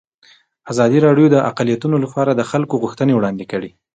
ازادي راډیو د اقلیتونه لپاره د خلکو غوښتنې وړاندې کړي.